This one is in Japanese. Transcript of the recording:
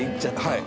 はい。